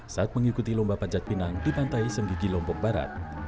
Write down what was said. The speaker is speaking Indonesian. saat mengikuti lomba panjat pinang di pantai sembidi lombok barat